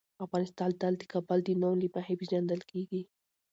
افغانستان تل د کابل د نوم له مخې پېژندل کېږي.